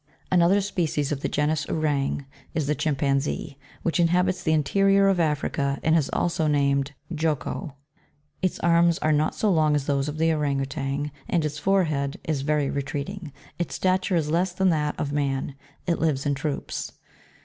12. Another species of the genus Ourang, is the Chimpanzee, (Plate \,fig. 5.) which inhabits the interior of Africa, and is also named Jocko. Its arms are not so long as those of the Ourang Outang, and its forehead is very retreating ; its stature is less than that of man. It lives in troops.